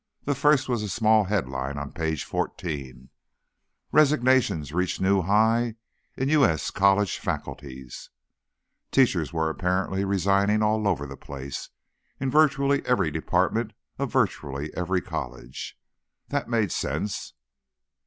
The first was a small headline on page fourteen: RESIGNATIONS REACH NEW HIGH IN U.S. COLLEGE FACULTIES Teachers were apparently resigning all over the place, in virtually every department of virtually every college. That made sense.